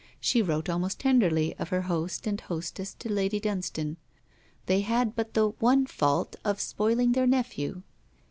She wrote almost tenderly of her host and hostess to Lady Dunstane; they had but 'the one fault of spoiling their nephew.'